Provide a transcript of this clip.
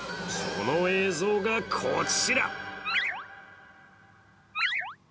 その映像がこちら。